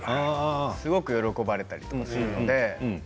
すごく喜ばれたりとかするので。